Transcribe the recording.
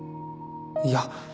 いや。